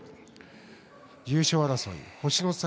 優勝争い星の差